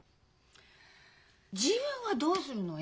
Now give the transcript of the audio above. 自分はどうするの？